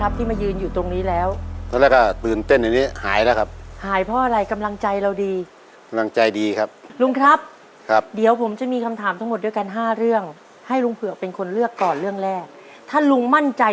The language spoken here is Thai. รับคุณไปต่อชีวิตสูงสุดหนึ่งล้านบาท